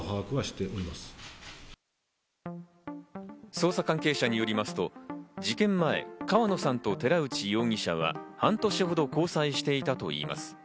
捜査関係者によりますと、事件前、川野さんと寺内容疑者は半年ほど交際していたといいます。